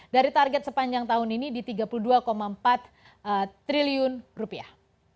dari target sepanjang tahun ini di tiga puluh dua empat triliun rupiah